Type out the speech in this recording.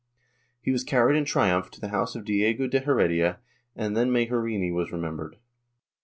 He was carried in triumph to the house of Diego de Heredia and then Majorini was remembered.